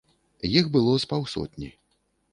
Іх было з паўсотні.